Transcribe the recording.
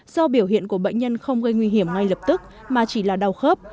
do biểu hiện của bệnh nhân không gây nguy hiểm ngay lập tức mà chỉ là đau khớp